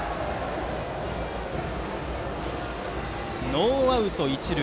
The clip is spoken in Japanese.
ノーアウト、一塁。